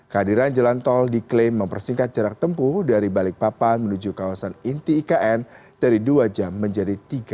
kehadiran jalan tol diklaim mempersingkat jarak tempuh dari balikpapan menuju kawasan inti ikn dari dua jam menjadi tiga puluh